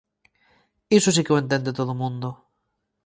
Iso si que o entende todo o mundo!